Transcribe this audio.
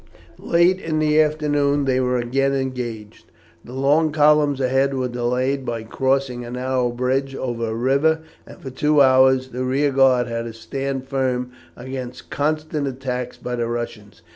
Late in the afternoon they were again engaged. The long columns ahead were delayed by crossing a narrow bridge over a river, and for two hours the rear guard had to stand firm against constant attacks by the Russians.